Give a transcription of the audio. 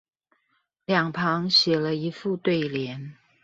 兩旁寫了一副對聯